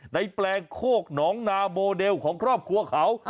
แปลงโคกหนองนาโมเดลของครอบครัวเขา